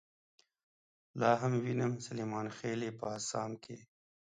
لاهم وينم سليمانخيلې په اسام کې